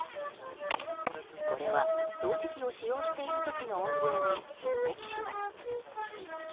これは掃除機を使用している時の音量に匹敵します。